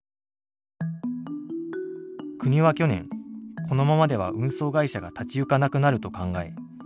国は去年このままでは運送会社が立ち行かなくなると考え